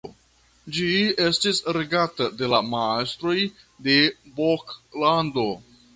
Ĝi estis regata de la mastroj de Boklando.